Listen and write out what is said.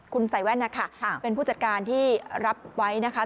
คุณใส่แว่นนะคะเป็นผู้จัดการที่รับไว้นะคะ